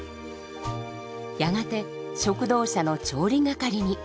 やがて食堂車の調理係に。